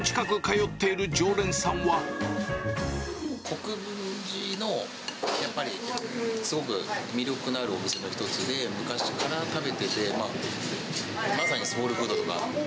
国分寺のやっぱりすごく、魅力のあるお店の一つで、昔から食べてて、まさにソウルフードかな。